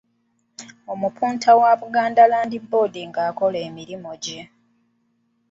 Omupunta wa Buganda Land Board ng’akola emirimu gye.